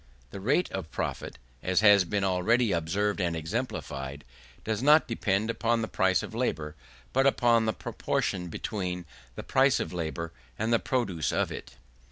The rate of profit (as has been already observed and exemplified) does not depend upon the price of labour, but upon the proportion between the price of labour and the produce of it.